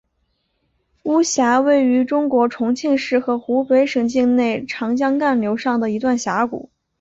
巫峡位于中国重庆市和湖北省境内长江干流上的一段峡谷。